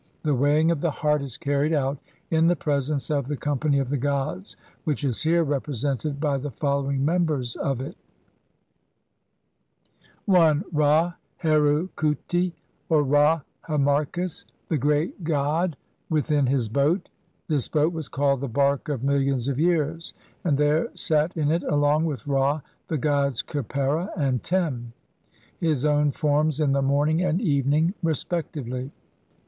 The weighing of the heart is carried out in the presence of the com pany of the gods, which is here represented by the following" members of it :— i . Ra Heru Khuti, or Ra Harmachis, the great god THE JUDGMENT OF THE DEAD. CI within his boat. This boat was called the "Bark of millions of years", and there sat in it along with Ra the gods Khepera and Tem, his own forms in the morning and evening respectively.